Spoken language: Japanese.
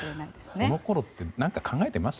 この頃って何か考えてました？